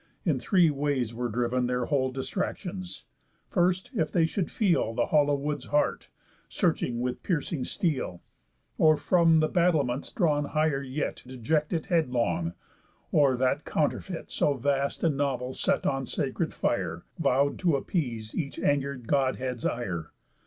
In three ways were driv'n Their whole distractions. First, if they should feel The hollow wood's heart, search'd with piercing steel; Or from the battlements drawn higher yet Deject it headlong; or that counterfeit So vast and novel set on sacred fire, Vow'd to appease each anger'd Godhead's ire.